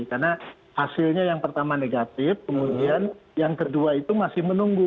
karena hasilnya yang pertama negatif kemudian yang kedua itu masih menunggu